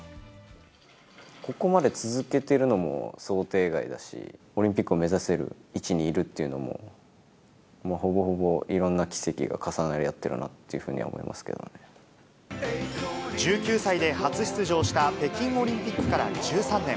ここまで続けてるのも想定外だし、オリンピックを目指せる位置にいるっていうのも、もうほぼほぼ、いろんな奇跡が重なり合っているなっていうふうには思いますけど１９歳で初出場した北京オリンピックから１３年。